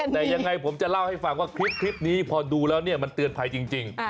แต่ยังไงผมจะเล่าให้ฟังว่าคลิปนี้พอดูแล้วเนี่ยมันเตือนภัยจริง